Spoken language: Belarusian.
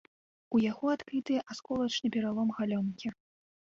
У яго адкрыты асколачны пералом галёнкі.